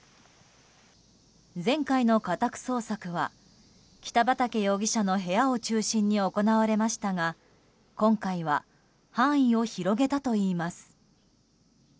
前回の家宅捜索は北畠容疑者の部屋を中心に行われましたが、今回は範囲を広げたといいます。